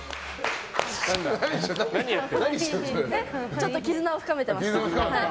ちょっと絆を深めてました。